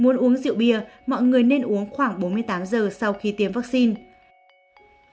nếu muốn uống rượu bia mọi người nên uống khoảng bốn mươi tám giờ sau khi tiêm vaccine